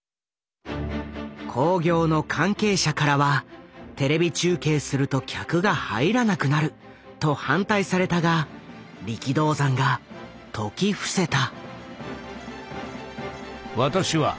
興行の関係者からはテレビ中継すると客が入らなくなると反対されたが力道山が説き伏せた。